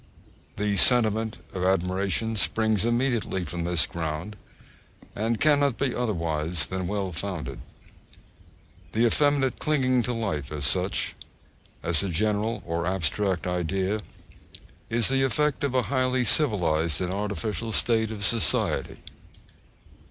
The sentiment of admiration springs immediately from this ground, and cannot be otherwise than well founded.(3) The effeminate clinging to life as such, as a general or abstract idea, is the effect of a highly civilised and artificial state of society.